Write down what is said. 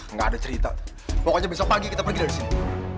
nggak ada cerita pokoknya besok pagi kita pergi dari sini